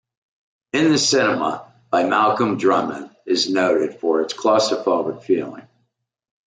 "In the Cinema" by Malcolm Drummond is noted for its claustrophobic feeling.